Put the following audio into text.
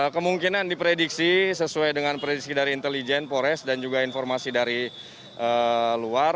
kemungkinan diprediksi sesuai dengan prediksi dari intelijen pores dan juga informasi dari luar